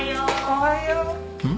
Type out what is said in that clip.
おはよう。